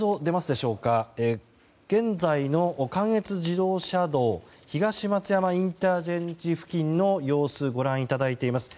現在の関越自動車道東松山ＩＣ付近の様子をご覧いただいています。